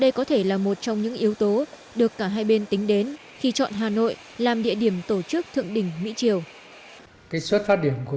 đây có thể là một trong những yếu tố được cả hai bên tính đến khi chọn hà nội làm địa điểm tổ chức thượng đỉnh mỹ triều